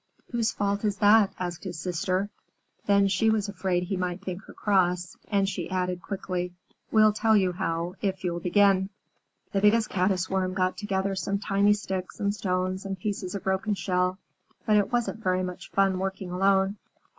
"Whose fault is that?" asked his sister. Then she was afraid that he might think her cross, and she added quickly, "We'll tell you how, if you'll begin." The Biggest Caddis Worm got together some tiny sticks and stones and pieces of broken shell, but it wasn't very much fun working alone.